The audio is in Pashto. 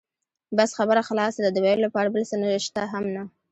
بس خبره خلاصه ده، د وېلو لپاره بل څه شته هم نه.